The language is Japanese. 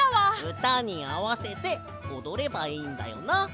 うたにあわせておどればいいんだよな？